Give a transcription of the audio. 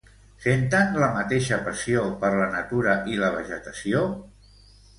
Senten la mateixa passió per la natura i la vegetació?